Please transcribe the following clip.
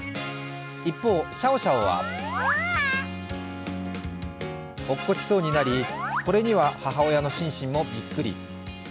一方、シャオシャオは落っこちそうになり、これには母親のシンシンもびっくり。